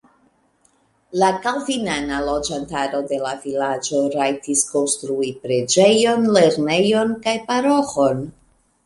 La kalvinana loĝantaro de la vilaĝo rajtis konstrui preĝejon, lernejon kaj paroĥon.